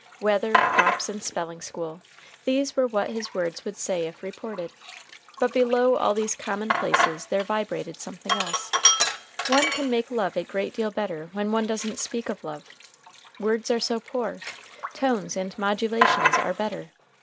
Weather, crops, and spelling school these were what his words would say if reported. But below all these commonplaces there vibrated something else. One can make love a great deal better when one doesn't speak of love. Words are so poor! Tones and modulations are better.